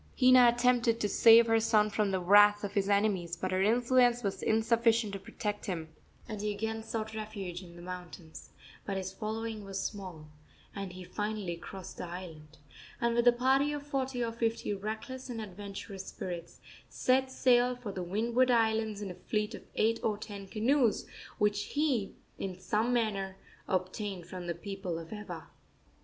Hina attempted to save her son from the wrath of his enemies, but her influence was insufficient to protect him, and he again sought refuge in the mountains; but his following was small, and he finally crossed the island, and, with a party of forty or fifty reckless and adventurous spirits, set sail for the windward islands in a fleet of eight or ten canoes which he in some manner obtained from the people of Ewa.